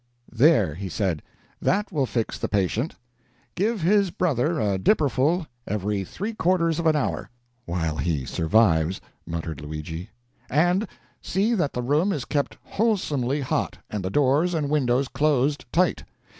"There," he said, "that will fix the patient; give his brother a dipperful every three quarters of an hour "" while he survives," muttered Luigi " and see that the room is kept wholesomely hot, and the doors and windows closed tight.